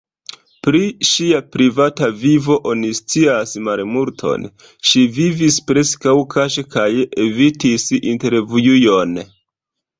Pri ŝia privata vivo oni scias malmulton; ŝi vivis preskaŭ kaŝe kaj evitis intervjuojn.